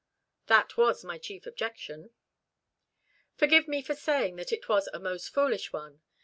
"That was my chief objection." "Forgive me for saying that it was a most foolish one.